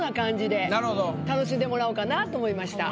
楽しんでもらおうかなと思いました。